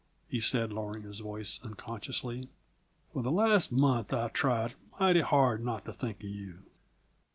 he said, lowering his voice unconsciously. "For the last month I've tried mighty hard not to think of you.